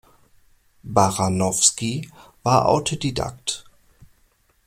Baranowski war Autodidakt.